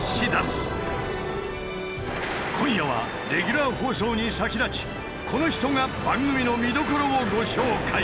今夜はレギュラー放送に先立ちこの人が番組の見どころをご紹介！